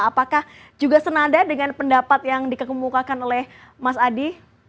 apakah juga senada dengan pendapat yang dikemukakan oleh mas adi